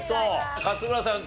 勝村さん